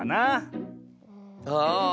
ああ。